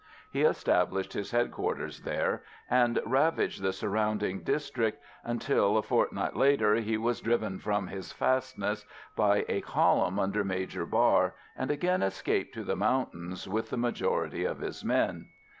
He established his headquarters there, and ravaged the surrounding district, until, a fortnight later, he was driven from his fastness by a column under Major Barr, and again escaped to the mountains with the majority of his men.